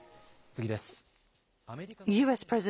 次です。